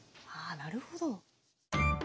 あなるほど。